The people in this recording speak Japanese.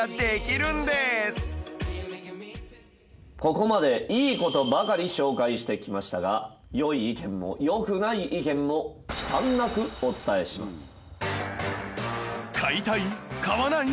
ここまでいい事ばかり紹介してきましたが良い意見も良くない意見も買いたい？買わない？